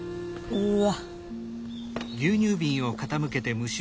うわ！